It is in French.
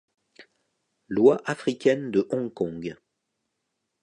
L'oie africaine de Hong Kong.